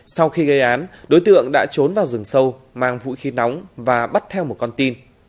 sau khi gây án đối tượng đã trốn vào rừng sâu mang vũ khí nóng và bắt theo một con tin